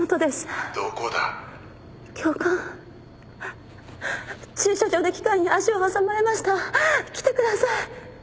教官駐車場で機械に足を挟まれました。来てください。